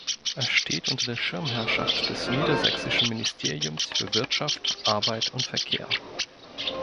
Es steht unter der Schirmherrschaft des Niedersächsischen Ministeriums für Wirtschaft, Arbeit und Verkehr.